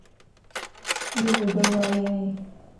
ايو ٻڊو بائي ائي.